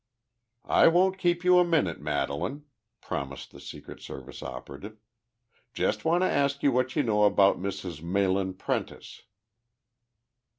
"I won't keep you a minute, Madelaine," promised the Secret Service operative. "Just want to ask what you know about Mrs. Mahlon Prentice?"